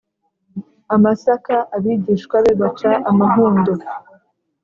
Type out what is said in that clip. amasaka abigishwa be baca amahundo